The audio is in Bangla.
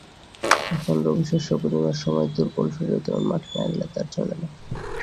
এখন রবিশস্য বুনিবার সময় দুর্বল শরীরেও মাঠে না গেলে তার চলে না।